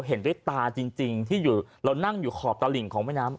เห็นด้วยตาจริงที่เรานั่งอยู่ขอบตลิ่งของแม่น้ำ